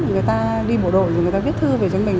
người ta đi bộ đội rồi người ta viết thư về cho mình